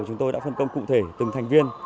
chúng tôi đã phân công cụ thể từng thành viên